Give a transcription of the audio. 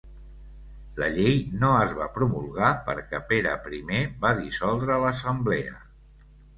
La llei no es va promulgar perquè Pere I va dissoldre l'Assemblea.